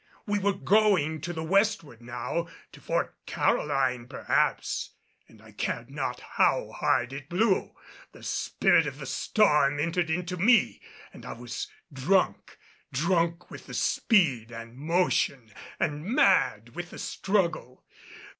We were going to the westward now to Fort Caroline perhaps, and I cared not how hard it blew. The spirit of the storm entered into me and I was drunk drunk with the speed and motion, and mad with the struggle.